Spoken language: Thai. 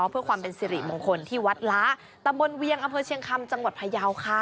เพื่อความเป็นสิริมงคลที่วัดล้าตำบลเวียงอำเภอเชียงคำจังหวัดพยาวค่ะ